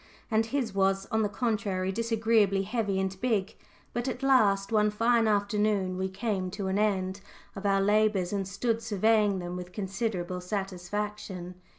And his was, on the contrary, disagreeably heavy and big. But at last, one fine afternoon we came to an end of our labours, and stood surveying them with considerable satisfaction.